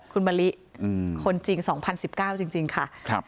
คุณมะลิคนจริง๒๐๑๙จริงค่ะ